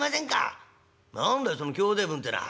「何だいその兄弟分ってのは」。